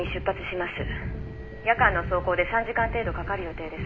夜間の走行で３時間程度かかる予定です。